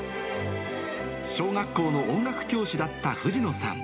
小学校の音楽教師だった藤野さん。